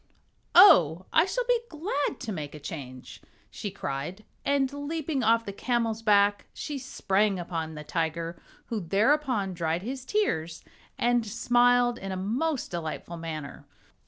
"Oh, I shall be glad to make a change," she cried, and leaping off the camel's back she sprang upon the tiger, who thereupon dried his tears and smiled in a most delightful manner.